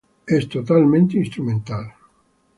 Es totalmente instrumental.